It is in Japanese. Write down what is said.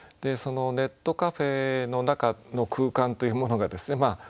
ネットカフェの中の空間というものがですね